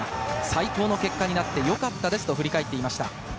最高の結果になってよかったですと振り返っていました。